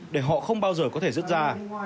để họ không bao giờ có thể dứt ra